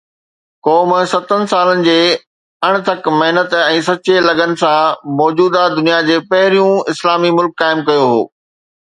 قوم ستن سالن جي اڻٿڪ محنت ۽ سچي لگن سان موجوده دنيا جو پهريون اسلامي ملڪ قائم ڪيو هو